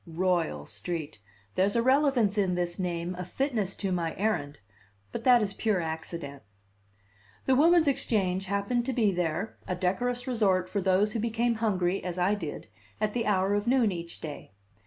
Royal Street! There's a relevance in this name, a fitness to my errand; but that is pure accident. The Woman's Exchange happened to be there, a decorous resort for those who became hungry, as I did, at the hour of noon each day.